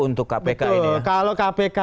untuk kpk ini ya betul kalau kpk